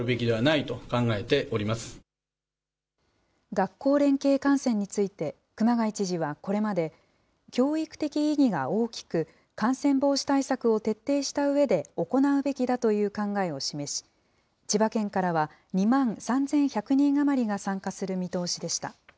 学校連携観戦について、熊谷知事はこれまで、教育的意義が大きく、感染防止対策を徹底したうえで行うべきだという考えを示し、千葉県からは２万３１００人余りが参加する見通しでした。